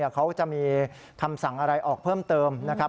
เขาจะมีคำสั่งอะไรออกเพิ่มเติมนะครับ